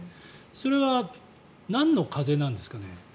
それはなんの風なんですかね。